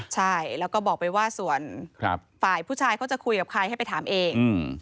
ใช่แล้วก็บอกไปว่าส่วนฝ่ายผู้ชายเขาจะคุยกับใครให้ไปถามเอง